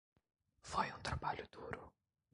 Foi um trabalho duro.